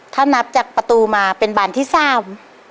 ถ้านับจากประตูมาเป็นบานที่สาม